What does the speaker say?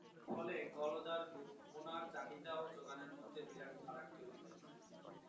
ফলে গলদার পোনার চাহিদা ও জোগানের মধ্যে বিরাট ফারাক তৈরি হয়েছে।